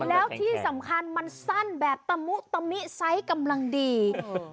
แล้วที่สำคัญมันสั้นแบบตะมุตะมิไซส์กำลังดี